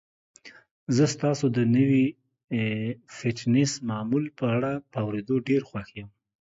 زه ستاسو د نوي فټنس معمول په اړه په اوریدو ډیر خوښ یم.